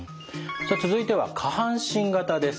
続いては下半身型です。